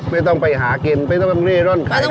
ไม่ต้องไปหากินไม่ต้องเล่นร่อนขายข้าน้อง